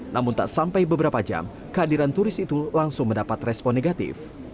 namun tak sampai beberapa jam kehadiran turis itu langsung mendapat respon negatif